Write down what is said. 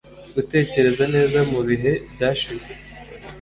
gutekereza neza mu bihe byashize,